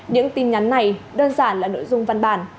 những tin nhắn này đơn giản là nội dung văn bản